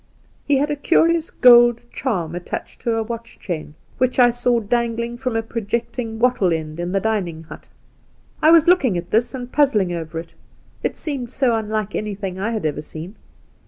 ' He had a curious gold charm attached to a watch chain, which I saw dangling from a projecting wattle end in the dining hut. I was looking at this, and puzzled over it ; it seemed so unlike any thing I had ever seen.